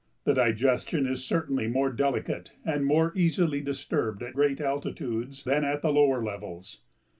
The digestion is certainly more delicate and more easily disturbed at great altitudes than at the lower levels.